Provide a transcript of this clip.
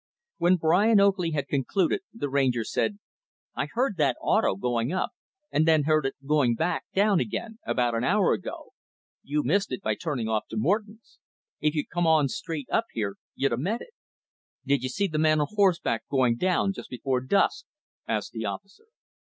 When Brian Oakley had concluded, the rancher said, "I heard that 'auto' going up, and then heard it going back down, again, about an hour ago. You missed it by turning off to Morton's. If you'd come on straight up here you'd a met it." "Did you see the man on horseback, going down, just before dusk?" asked the officer.